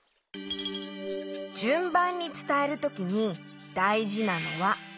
じゅんばんにつたえるときにだいじなのはこれ。